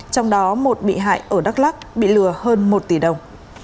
trong đó một bị hại ở đắk lắc bị lừa hơn một tỷ đồng